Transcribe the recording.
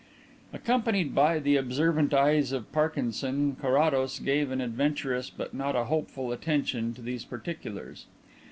Accompanied by the observant eyes of Parkinson, Carrados gave an adventurous but not a hopeful attention to these particulars.